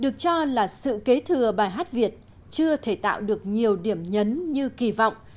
còn là sự kế thừa bài hát việt chưa thể tạo được nhiều điểm nhấn như kỳ vọng